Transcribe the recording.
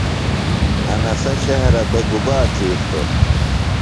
انسہ شہرہ بےۡ گُبا دھرِݜٹوۡ؟